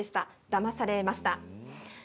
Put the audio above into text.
だまされました。